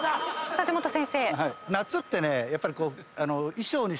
梶本先生。